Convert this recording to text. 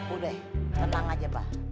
udah tenang aja pak